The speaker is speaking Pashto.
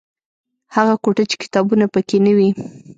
هغه کوټه چې کتابونه پکې نه وي.